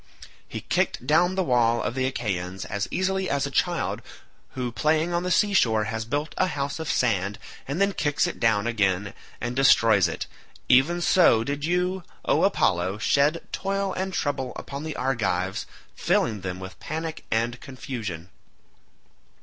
He kicked down the wall of the Achaeans as easily as a child who playing on the sea shore has built a house of sand and then kicks it down again and destroys it—even so did you, O Apollo, shed toil and trouble upon the Argives, filling them with panic and confusion.